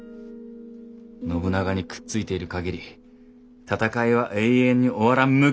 信長にくっついている限り戦いは永遠に終わらん無間地獄じゃ！